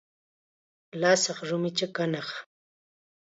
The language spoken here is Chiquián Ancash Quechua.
Lasaq rumichi kanaq.